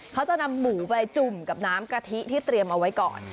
เขาจะนำหมูไปจุ่มกับน้ำกะทิที่เตรียมเอาไว้ก่อน